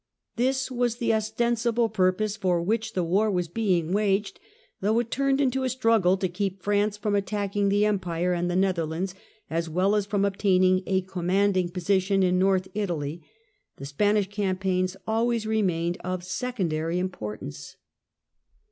This was the ostensible purpose for which the war was being waged, though it turned into a struggle to keep France from attacking the empire and the Netherlands, as well as from obtaining a commanding position in North Italy; the Spanish campaigns always remained of secondary import ance.